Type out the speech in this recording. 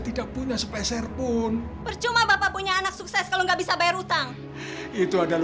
tidak punya spesial pun percuma bapak punya anak sukses kalau nggak bisa bayar utang itu adalah